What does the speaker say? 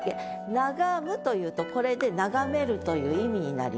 「眺む」というとこれで「眺める」という意味になります。